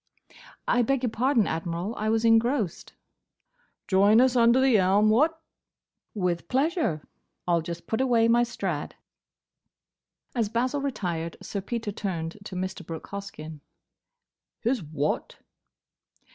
"I beg your pardon, Admiral; I was engrossed." "Join us under the elm, what?" "With pleasure. I 'll just put away my Strad." As Basil retired Sir Peter turned to Mr. Brooke Hoskyn. "His what?"